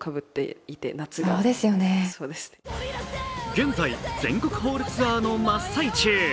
現在、全国ホールツアーの真っ最中。